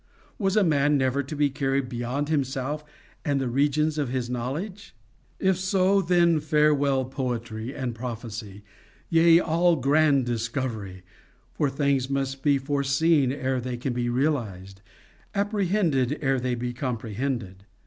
Was a man never to be carried beyond himself and the regions of his knowledge? If so, then farewell poetry and prophecy yea, all grand discovery! for things must be foreseen ere they can be realized apprehended ere they be comprehended.